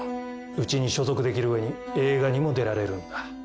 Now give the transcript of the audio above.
うちに所属できる上に映画にも出られるんだ